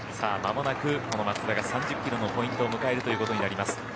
間もなくこの松田が３０キロのポイントを迎えるということになります。